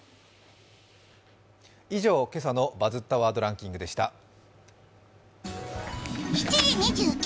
以上、今朝の「バズったワードランキング」でした。